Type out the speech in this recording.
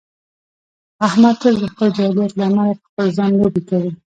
احمد تل د خپل جاهلیت له امله په خپل ځان لوبې کوي.